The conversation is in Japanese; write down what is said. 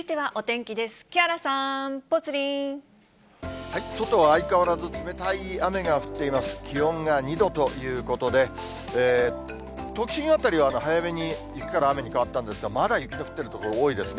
気温が２度ということで、都心辺りは早めに雪から雨に変わったんですが、まだ雪の降っている所多いですね。